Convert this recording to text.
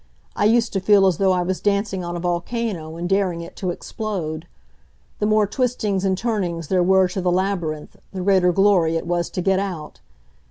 I used to feel as though I was dancing on a volcano and daring it to explode. The more twistings and turnings there were to the labyrinth, the greater glory it was to get out.